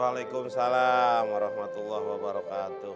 assalamualaikum wr wb